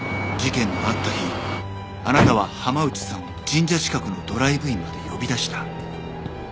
事件のあった日あなたは浜内さんを神社近くのドライブインまで呼び出した。